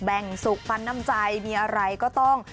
แบ่งสุกปันน้ำใจมีอะไรก็ต้อง